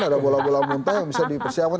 ada bola bola muntah yang bisa dipersiapkan